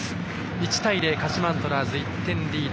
１対０、鹿島アントラーズ１点リード。